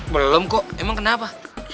belum kok emang kenapa